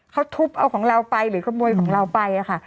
เขาทุบเอาของเราไปหรือขโมยของเราไปค่ะ